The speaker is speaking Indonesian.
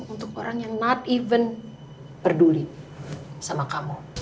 untuk orang yang not even peduli sama kamu